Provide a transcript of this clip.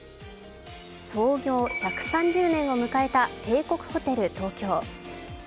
創業１３０年を迎えた帝国ホテル東京。